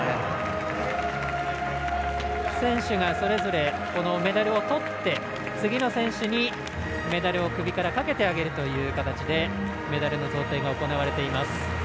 選手が、それぞれメダルをとって次の選手にメダルを首からかけてあげるという形でメダルの贈呈が行われています。